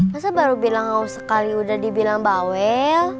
masa baru bilang sekali udah dibilang bawel